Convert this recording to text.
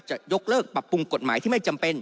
จะยกเลิกปรับปรุงกฎหมายที่ไม่จำเป็น